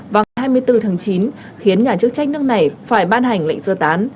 vào ngày hai mươi bốn tháng chín khiến nhà chức trách nước này phải ban hành lệnh sơ tán